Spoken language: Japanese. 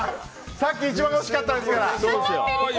さっき一番惜しかったですから。